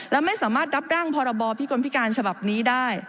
และไม่สามารถรับร่างพรบพิกลพิการฉบับนี้ได้